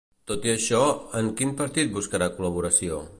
Tot i això, en quin partit buscarà col·laboració?